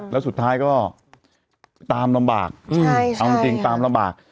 แล้วสุดท้ายก็ตามลำบากเอาจริงตามลำบาก